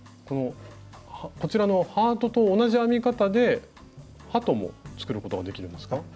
こちらのハートと同じ編み方で鳩も作ることができるんですか？